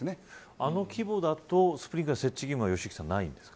あの規模だとスプリンクラー設置義務はないんですか。